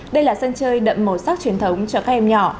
đây là sân chơi đậm màu sắc truyền thống cho các em nhỏ